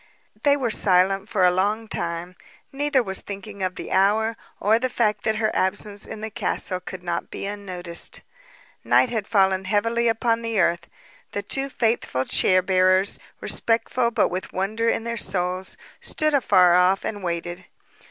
They were silent for a long time. Neither was thinking of the hour, or the fact that her absence in the castle could not be unnoticed. Night had fallen heavily upon the earth. The two faithful chair bearers, respectful but with wonder in their souls, stood afar off and waited.